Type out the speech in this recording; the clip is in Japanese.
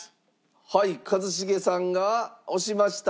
一茂さんが押しました。